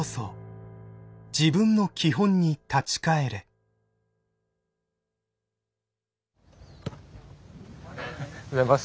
おはようございます。